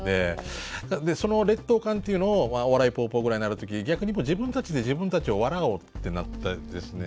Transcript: その劣等感というのを「お笑いポーポー」ぐらいになる時に逆に自分たちで自分たちを笑おうってなったんですね。